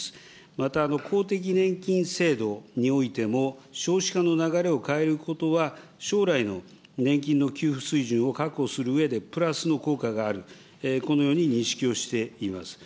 また、公的年金制度においても、少子化の流れを変えることは、将来の年金の給付水準を確保するうえでプラスの効果がある、このように認識をしています。